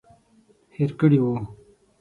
هېر کړي وو.